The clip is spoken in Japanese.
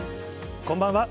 こんばんは。